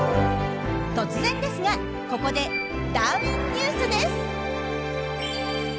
突然ですがここで「ダーウィンＮＥＷＳ」です！